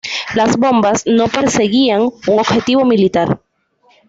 Las bombas no perseguían un objetivo militar.